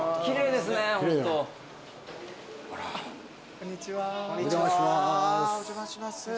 こんにちはお邪魔します。